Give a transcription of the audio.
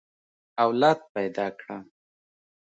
اولاد پيدا کړه.